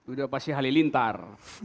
udah pasti halilintar